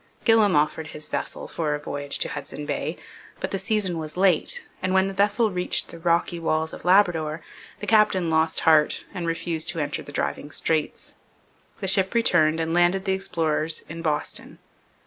Gillam offered his vessel for a voyage to Hudson Bay; but the season was late, and when the vessel reached the rocky walls of Labrador the captain lost heart and refused to enter the driving straits. The ship returned and landed the explorers in Boston.